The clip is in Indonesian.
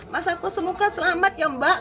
mas aku semoga selamat ya mbak